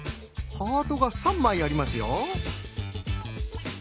ハートが３枚ありますよ。